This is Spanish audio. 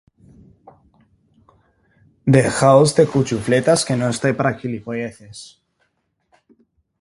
Dejaos de cuchufletas que no estoy para gilipolleces